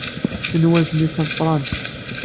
Tanwalt-nni d tameqrant.